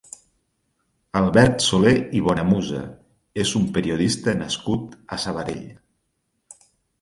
Albert Solé i Bonamusa és un periodista nascut a Sabadell.